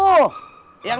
yang bener bapak